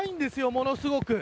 ものすごく。